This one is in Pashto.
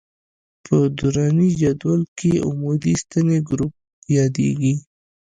په دوراني جدول کې عمودي ستنې ګروپ یادیږي.